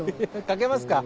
賭けますか？